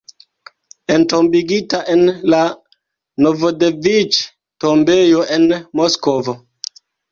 Entombigita en la Novodeviĉe-tombejo en Moskvo.